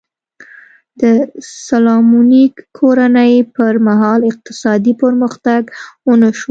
د سالومونیک کورنۍ پر مهال اقتصادي پرمختګونه ونه شول.